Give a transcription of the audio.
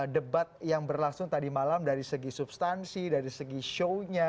debat yang berlangsung tadi malam dari segi substansi dari segi show nya